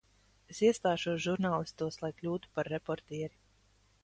Es iestāšos žurnālistos, lai kļūtu par reportieri.